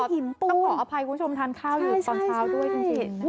คุณผู้ชมทานข้าวอยู่ตอนเช้าด้วยจริง